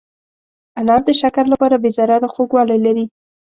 انار د شکر لپاره بې ضرره خوږوالی لري.